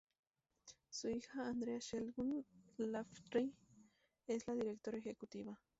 Su hija, Andrea Sheldon Lafferty, es la directora ejecutiva.